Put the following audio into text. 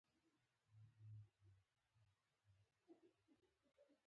پرون مازدیګر احمد زموږ کور ته راغی.